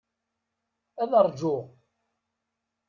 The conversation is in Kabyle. Ad ṛjuɣ.